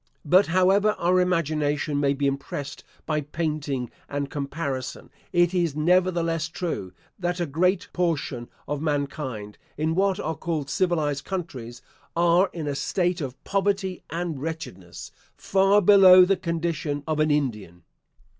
But, however our imagination may be impressed by painting and comparison, it is nevertheless true, that a great portion of mankind, in what are called civilised countries, are in a state of poverty and wretchedness, far below the condition of an Indian.